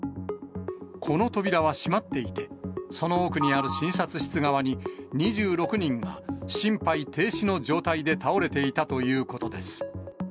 この扉は閉まっていて、その奥にある診察室側に、２６人が心肺停止の状態で倒れていたということです。